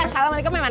eh salam alaikum mana